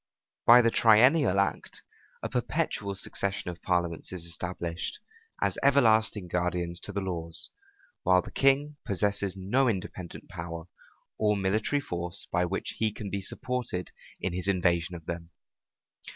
By the triennial act, a perpetual succession of parliaments is established, as everlasting guardians to the laws, while the king possesses no independent power or military force by which he can be supported in his invasion of them.